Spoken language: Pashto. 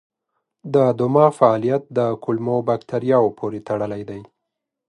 د دماغ فعالیت د کولمو بکتریاوو پورې تړلی دی.